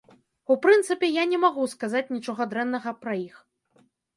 У прынцыпе, я не магу сказаць нічога дрэннага пра іх.